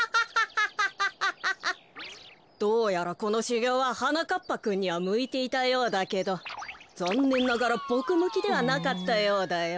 どうやらこのしゅぎょうははなかっぱくんにはむいていたようだけどざんねんながらボクむきではなかったようだよ。